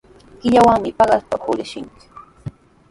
Killawanmi paqaspa purinchik.